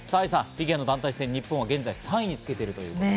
フィギュアの団体戦、日本は現在３位につけています。